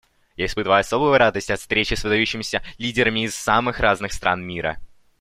Я испытываю особую радость от встречи с выдающимися лидерами из самых разных стран мира.